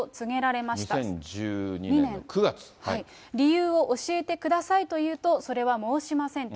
理由を教えてくださいと言うと、それは申しませんと。